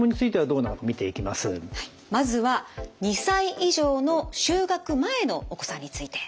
まずは２歳以上の就学前のお子さんについて。